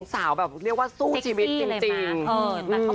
สาวแบบนี้เรียกว่าซู่ชีมิตถึงจริงเออแต่เขา